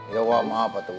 ya wak maaf pak teguh